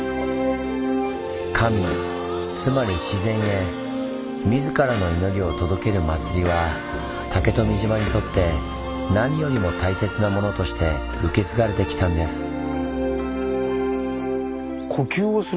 神つまり自然へ自らの祈りを届ける「祭り」は竹富島にとって何よりも大切なものとして受け継がれてきたんです。